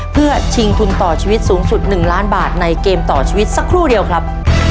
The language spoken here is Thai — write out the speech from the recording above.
เพื่อชิงทุนต่อชีวิตสูงสุด๑ล้านบาทในเกมต่อชีวิตสักครู่เดียวครับ